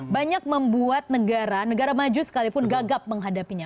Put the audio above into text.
banyak membuat negara negara maju sekalipun gagap menghadapinya